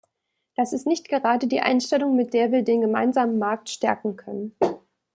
Das ist nicht gerade die Einstellung, mit der wir den gemeinsamen Markt stärken können.